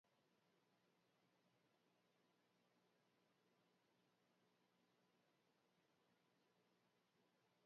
Azkenik, zuzenketak aurkeztu ostean, behin betiko zerrenda kaleratuko da.